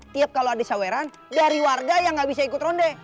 tiap kalau ada saweran dari warga yang nggak bisa ikut ronde